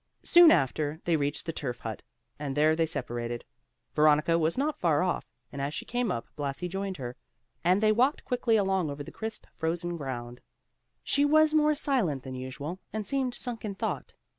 Soon after, they reached the turf hut, and there they separated. Veronica was not far off; and as she came up Blasi joined her, and they walked quickly along over the crisp, frozen ground. She was more silent than usual, and seemed sunk in thought.